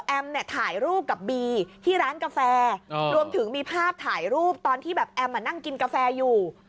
เนี่ยถ่ายรูปกับบีที่ร้านกาแฟรวมถึงมีภาพถ่ายรูปตอนที่แบบแอมนั่งกินกาแฟอยู่